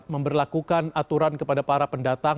memperlakukan aturan kepada para pendatang